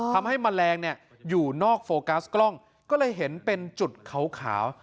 ทำให้มะแรงเนี่ยอยู่นอกโฟกัสกล้องก็เลยเห็นเป็นจุดขาวขาว